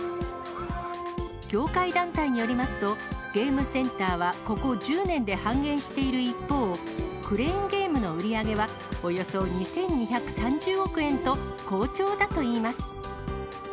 業界団体によりますと、ゲームセンターはここ１０年で半減している一方、クレーンゲームの売り上げは、およそ２２３０億円と、好調だといいます。